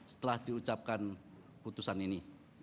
setelah diucapkan putusan ini